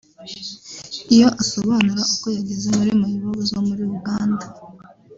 Iyo asobanura uko yageze muri mayibobo zo muri Uganda